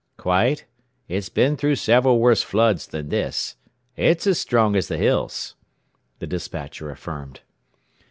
"Quite. It has been through several worse floods than this. It's as strong as the hills," the despatcher affirmed.